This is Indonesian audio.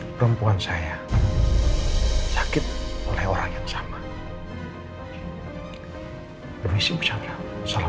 permisi puja allah assalamualaikum warahmatullahi wabarakatuh